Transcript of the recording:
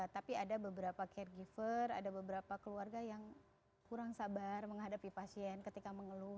tapi ada beberapa caregiver ada beberapa keluarga yang kurang sabar menghadapi pasien ketika mengeluh